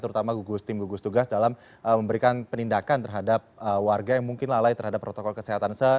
terutama gugus tim gugus tugas dalam memberikan penindakan terhadap warga yang mungkin lalai terhadap protokol kesehatan